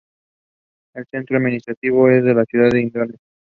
El centro administrativo es la ciudad de Indore.